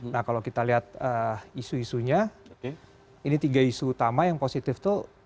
nah kalau kita lihat isu isunya ini tiga isu utama yang positif itu